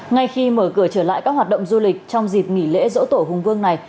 ngay khi mở cửa trở lại các hoạt động du lịch trong dịp nghỉ lễ dỗ tổ hùng vương này